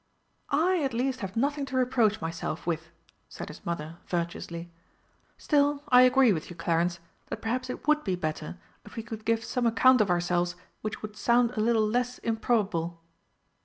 "I at least have nothing to reproach myself with," said his mother virtuously. "Still I agree with you, Clarence, that perhaps it would be better if we could give some account of ourselves which would sound a little less improbable."